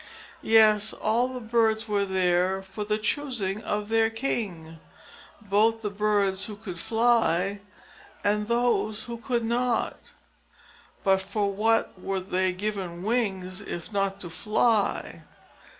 Yes, all the birds were there for the choosing of their king, both the birds who could fly, and those who could not. (But for what were they given wings, if not to fly?